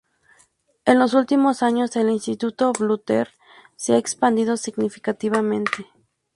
En los últimos años, el Instituto Butler se ha expandido significativamente.